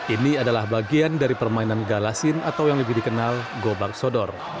ini adalah bagian dari permainan galasin atau yang lebih dikenal gobak sodor